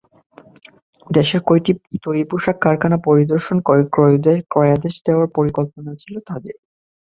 দেশের কয়েকটি তৈরি পোশাক কারখানা পরিদর্শন করে ক্রয়াদেশ দেওয়ার পরিকল্পনা ছিল তাঁদের।